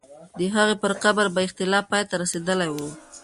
د هغې پر قبر به اختلاف پای ته رسېدلی وو.